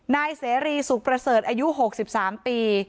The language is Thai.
นายเสรีสุขประเสริฐอายุ๖๓ปี